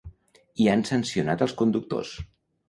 I han sancionat als conductors.